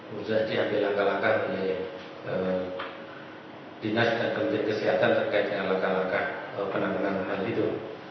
berusaha diambil angkat angkat oleh dinas dan kemudian kesehatan terkait dengan angkat angkat penampangan hal itu